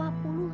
aduh udah aja